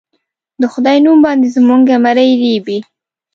د خدای نوم باندې زموږه مرۍ رېبي